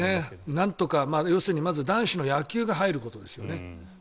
なんとか、要するにまず男子の野球が入ることですよね。